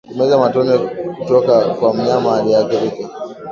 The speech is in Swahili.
Kumeza matone kutoka kwa mnyama aliyeathirika